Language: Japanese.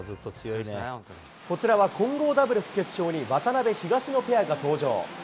こちらは混合ダブルス決勝に渡辺・東野ペアが登場。